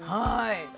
はい。